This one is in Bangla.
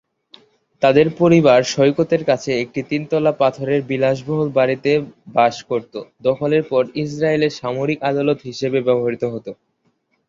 তাদের পরিবার সৈকতের কাছে একটি তিনতলা পাথরের বিলাসবহুল বাড়িতে বাস করত, দখলের পর ইস্রায়েলের সামরিক আদালত হিসাবে ব্যবহৃত হত।